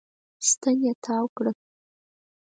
ستن يې تاو کړه.